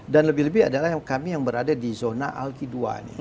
dan lebih lebih adalah kami yang berada di zona alki dua nih